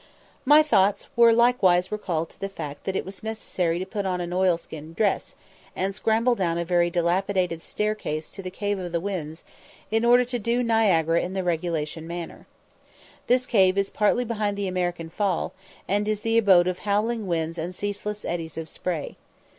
My thoughts were likewise recalled to the fact that it was necessary to put on an oilskin dress, and scramble down a very dilapidated staircase to the Cave of the Winds, in order to "do" Niagara in the "regulation manner." This cave is partly behind the American Fall, and is the abode of howling winds and ceaseless eddies of spray.